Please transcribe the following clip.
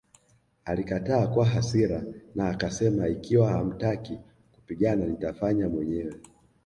Alikataa kwa hasira na akasema Ikiwa hamtaki kupigana nitafanya mwenyewe